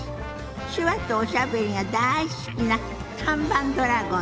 手話とおしゃべりがだい好きな看板ドラゴンです。